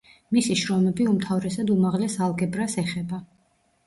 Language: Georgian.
მისი შრომები უმთავრესად უმაღლეს ალგებრას ეხება.